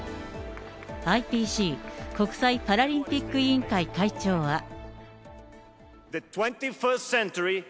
ＩＰＣ・国際パラリンピック委員会会長は。